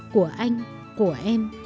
của anh của em